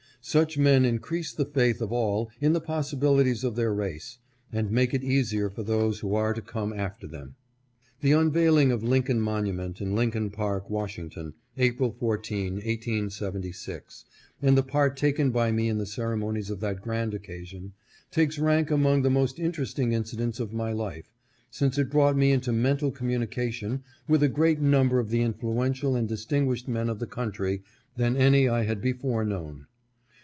Such men increase the faith of all in the possibil ities of their race, and make it easier for those who are to come after them. The unveiling of Lincoln monument in Lincoln Park, PALL BEARER AT WILSON'S FUNERAL. 511 Washington, April 14, 1876, and the part taken by me in the ceremonies of that grand occasion, takes rank among the most interesting incidents of my life, since it brought me into mental communication with a greater number of the influential and distinguished men of the country than any I had before known.